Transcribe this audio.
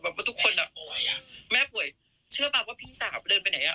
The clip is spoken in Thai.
แบบว่าทุกคนแม่ป่วยเชื่อมั้ยว่าพี่สาวเดินไปไหน